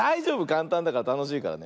かんたんだからたのしいから。